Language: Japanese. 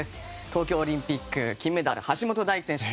東京オリンピック金メダル橋本大輝選手